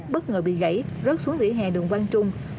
bất ngờ bị gãy rớt xuống vỉa hè đường quang trung